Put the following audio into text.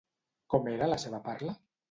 Com era la seva parla?